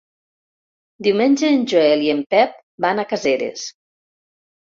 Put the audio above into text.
Diumenge en Joel i en Pep van a Caseres.